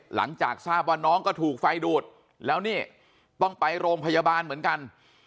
หลังจากทราบว่าน้องก็ถูกไฟดูดแล้วนี่ต้องไปโรงพยาบาลเหมือนกัน